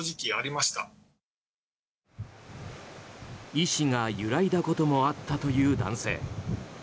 意志が揺らいだこともあったという男性。